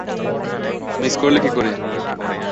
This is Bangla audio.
মিস করলে কীকরে?